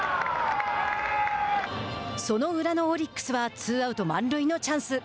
その裏のオリックスはツーアウト、満塁のチャンス。